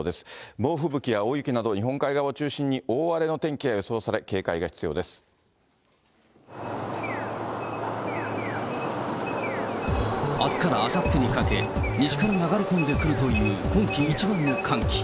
猛吹雪や大雪など、日本海側を中心に、大荒れの天気が予想され、あすからあさってにかけ、西から流れ込んでくるという今季一番の寒気。